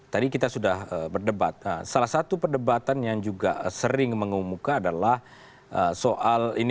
di dalam sebuah negara hukum